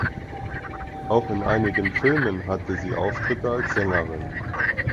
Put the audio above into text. Auch in einigen Filmen hatte sie Auftritte als Sängerin.